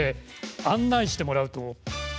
案内してもらうと。